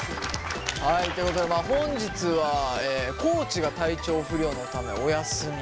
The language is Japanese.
はいということで本日は地が体調不良のためお休み。